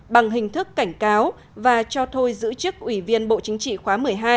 bằng hình thức cảnh cáo và cho thôi giữ chức ủy viên bộ chính trị khóa một mươi hai